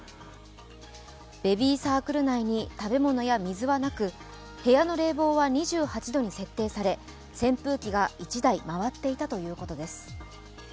ベビーサークル内に食べ物や水はなく部屋の冷房は２８度に設定され扇風機が１台回っていたということです。